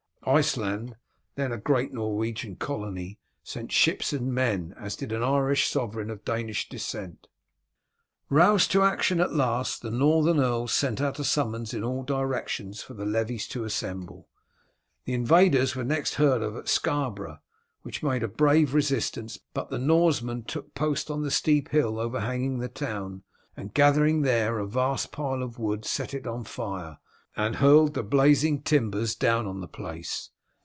Iceland, then a great Norwegian colony, sent ships and men, as did an Irish sovereign of Danish descent. Roused to action at last the northern earls sent out summonses in all directions for the levies to assemble. The invaders were next heard of at Scarborough, which made a brave resistance, but the Norsemen took post on the steep hill overhanging the town, and gathering there a vast pile of wood set it on fire, and hurled blazing timbers down on the place.